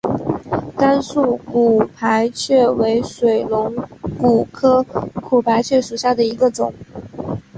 甘肃骨牌蕨为水龙骨科骨牌蕨属下的一个种。